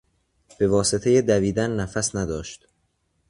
به واسطهی دویدن نفس نداشت.